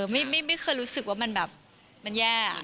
ไม่เคยรู้สึกว่ามันแย่